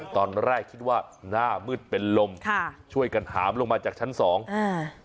ตอนแรกคิดว่าหน้ามืดเป็นลมค่ะช่วยกันหามลงมาจากชั้นสองอ่า